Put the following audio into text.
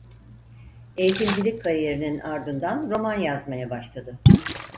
Eğitimcilik kariyerinin ardından roman yazmaya başladı.